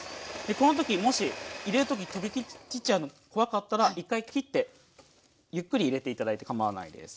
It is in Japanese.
この時もし入れる時飛び散っちゃうの怖かったら１回切ってゆっくり入れて頂いてかまわないです。